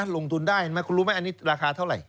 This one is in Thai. ลงทุนได้เห็นไหมคุณรู้ไหมอันนี้ราคาเท่าไหร